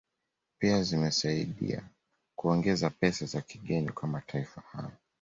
Pia zimesaidaia kuongeza pesa za kigeni kwa mataifa hayo